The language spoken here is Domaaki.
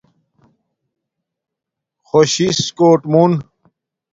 خوش شس کوٹ مون